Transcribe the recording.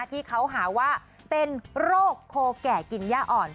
ที่เขาหาว่าเป็นโรคโคแก่กินย่าอ่อน